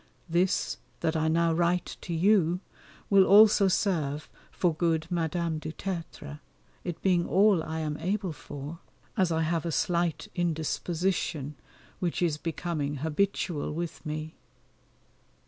This, that I now write to you, will also serve for good Madame du Tertre, it being all I am able for, as I have a slight indisposition which is becoming habitual with me.